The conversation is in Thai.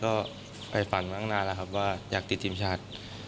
ก็ไปฝันมาตั้งนานแล้วครับว่าอยากติดทีมชาติ